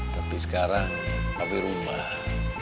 tapi sekarang papi rumah